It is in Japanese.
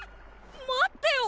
待ってよ